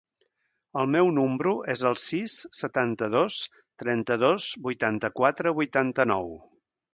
El meu número es el sis, setanta-set, trenta-dos, vuitanta-quatre, vuitanta-nou.